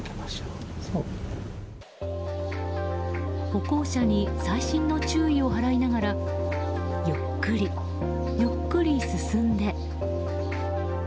歩行者に細心の注意を払いながらゆっくり、ゆっくり進んで。